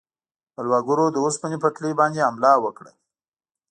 بلواګرو د اوسپنې پټلۍ باندې حمله وکړه.